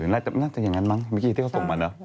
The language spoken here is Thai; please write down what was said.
น่าจะอย่างนั้นมั้งเมื่อกี้ที่เขาส่งมาเนอะ